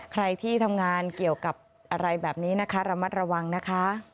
ใครที่ทำงานเกี่ยวกับอะไรแบบนี้นะคะระมัดระวังนะคะ